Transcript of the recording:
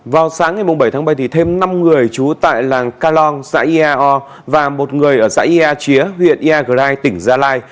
vào sáng ngày bảy tháng bảy thì thêm năm người trú tại làng calong xã iao và một người ở xã ia chía huyện iagrai tỉnh gia lai